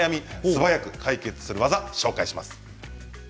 素早く解決する楽ワザをご紹介します。